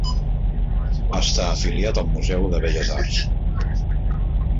Està afiliat al Museu de Belles Arts.